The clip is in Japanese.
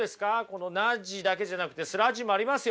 このナッジだけじゃなくてスラッジもありますよ。